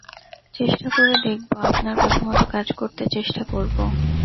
চেষ্টা করে দেখব, আপনার কথামত কাজ করতে চেষ্টা করব।